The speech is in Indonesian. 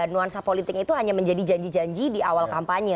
nuansa politik itu hanya menjadi janji janji di awal kampanye